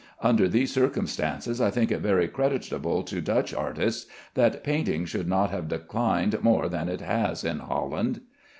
Under these circumstances I think it very creditable to Dutch artists that painting should not have declined more than it has in Holland.